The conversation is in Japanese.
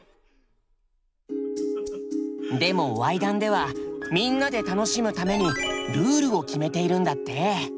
でもわい談ではみんなで楽しむためにルールを決めているんだって。